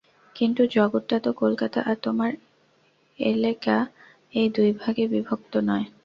কিন্তু জগৎটা তো কলকাতা আর তোমার এলেকা এই দুই ভাগে বিভক্ত নয়।